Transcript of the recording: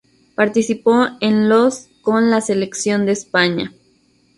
Participó en los con la selección de España.